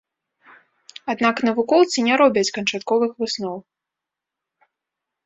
Аднак навукоўцы не робяць канчатковых высноў.